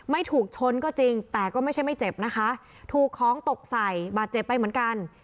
ไม่ถูกชนก็จริงแต่ก็ไม่ใช่ไม่เจ็บนะคะถูกของตกใส่บาดเจ็บไปเหมือนกัน